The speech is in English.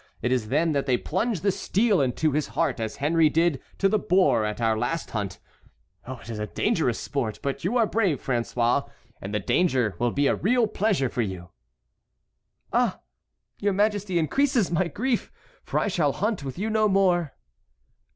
It is then that they plunge the steel into his heart as Henry did to the boar at our last hunt. It is dangerous sport, but you are brave, François, and the danger will be a real pleasure for you." "Ah! your Majesty increases my grief, for I shall hunt with you no more."